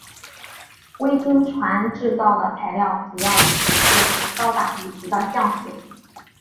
维京船制造的材料主要取自高大笔直的橡树。